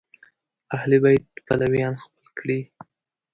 اهل بیت پلویان خپل کړي